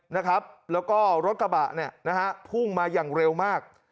และรถกระบะพุ่งมาอย่างเร็วมาก